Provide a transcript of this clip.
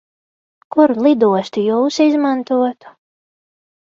Kuru lidostu Jūs izmantotu?